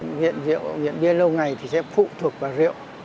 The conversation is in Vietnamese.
nguyện rượu nguyện bia lâu ngày thì sẽ phụ thuộc vào rượu